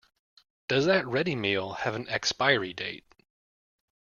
Does that ready meal have an expiry date?